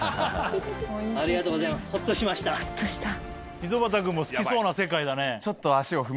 溝端君も好きそうな世界だね。